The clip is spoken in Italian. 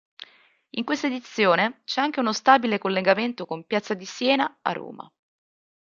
In questa edizione c'è anche uno stabile collegamento con "Piazza di Siena" a Roma.